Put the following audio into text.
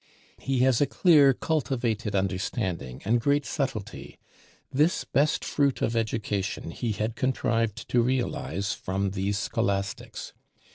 He has a clear cultivated understanding, and great subtlety; this best fruit of education he had contrived to realize from these scholastics.